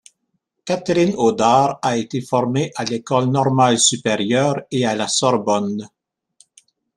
Catherine Audard a été formée à l'École normale supérieure et à La Sorbonne.